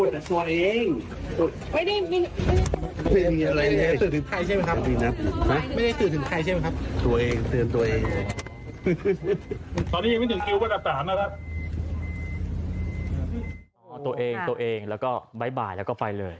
เตือนตัวเองตัวเองตัวเองแล้วก็บ๊ายบายแล้วก็ไปเลย